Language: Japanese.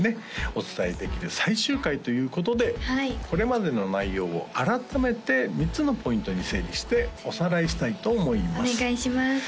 お伝えできる最終回ということでこれまでの内容を改めて３つのポイントに整理しておさらいしたいと思いますお願いします